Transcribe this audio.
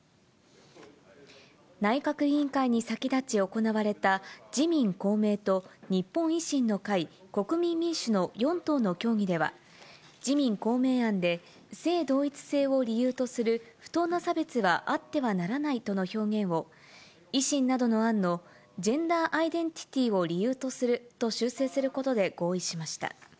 内閣委員会に先立ち行われた、自民、公明と日本維新の会、国民民主の４党の協議では、自民、公明案で、性同一性を理由とする不当な差別はあってはならないとの表現を、維新などの案のジェンダーアイデンティティを理由とすると修正することで合意しました。